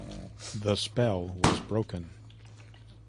The spell was broken.